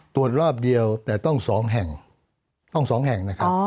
ตรวจรอบเดียวแต่ต้อง๒แห่งต้อง๒แห่งนะครับ